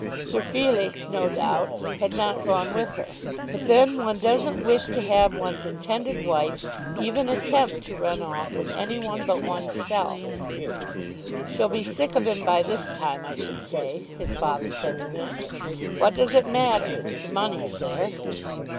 Sir Felix, no doubt, had not gone with her; but then one doesn't wish to have one's intended wife even attempt to run off with any one but oneself. "She'll be sick of him by this time, I should say," his father said to him. "What does it matter, if the money's there?"